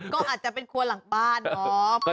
ก็อาจจะเป็นครัวหลังบ้านเนาะ